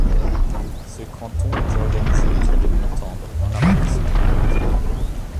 Ce canton était organisé autour de Montendre dans l'arrondissement de Jonzac.